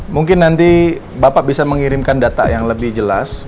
mungkin nanti bapak bisa mengirimkan data yang lebih jelas